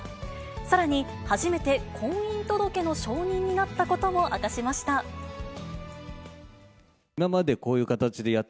さらに、初めて婚姻届の証人になったことも明かしました。